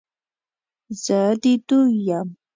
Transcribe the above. زه د دوی یم،